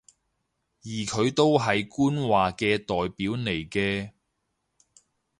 而佢都係官話嘅代表嚟嘅